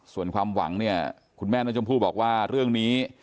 ส่วนความหวังเนี่ยคุณแม่น้องชมพู่บอกว่าเรื่องนี้